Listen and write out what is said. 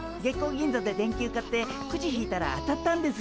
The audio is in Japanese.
銀座で電球買ってクジ引いたら当たったんです。